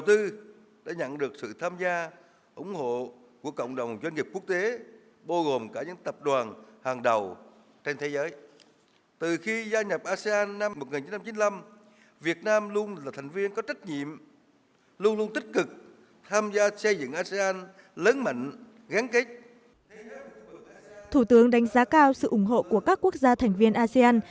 thủ tướng đánh giá cao sự ủng hộ của các quốc gia thành viên asean